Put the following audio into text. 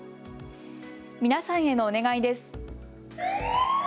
皆さんへのお願いです。